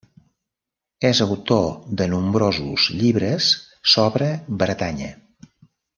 És autor de nombrosos llibres sobre Bretanya.